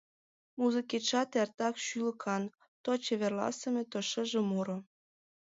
Музыкетшат эртак шӱлыкан — то чеверласыме, то шыже муро.